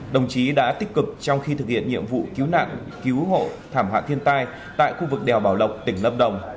đồng chí đã tích cực trong khi thực hiện nhiệm vụ cứu nạn cứu hộ thảm họa thiên tai tại khu vực đèo bảo lộc tỉnh lâm đồng